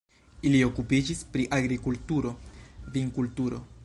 Ili okupiĝis pri agrikulturo, vinkulturo.